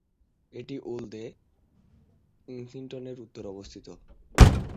এটি ওলদে কেনসিংটনের উত্তরে অবস্থিত।